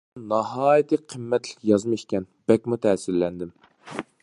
بۇ ناھايىتى قىممەتلىك يازما ئىكەن، بەكمۇ تەسىرلەندىم!